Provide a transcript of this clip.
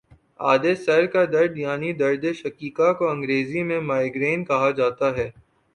آدھے سر کا درد یعنی دردِ شقیقہ کو انگریزی میں مائیگرین کہا جاتا ہے